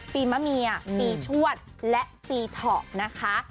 มะเมียปีชวดและปีเถาะนะคะ